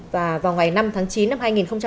và vào ngày năm tháng chín năm hai nghìn một mươi sáu